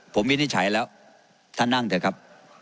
ผมวินิจฉัยแล้วท่านนั่งเถอะครับ